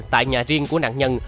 tại nhà riêng của nạn nhân